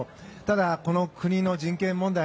ただ、この国の人権問題